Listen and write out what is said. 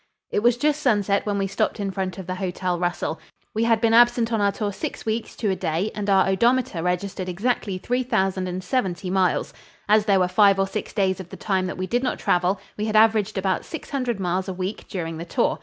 It was just sunset when we stopped in front of the Hotel Russell. We had been absent on our tour six weeks to a day and our odometer registered exactly 3070 miles. As there were five or six days of the time that we did not travel, we had averaged about six hundred miles a week during the tour.